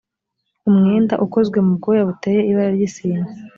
umwenda ukoze mu bwoya buteye ibara ry’isine